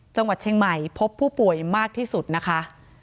จังหวัดเชียงใหม่พบผู้ป่วยมากที่สุดนะคะ